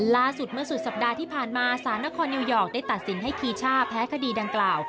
ล่าสุดเมื่อสุดสัปดาห์ที่ผ่านมาสารนครนิวยอร์กได้ตัดสินให้คีช่าแพ้คดีดังกล่าว